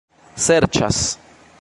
serĉas